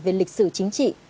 về lịch sử chính trị